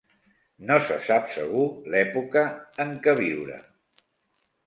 No se sap segur l'època en què viure.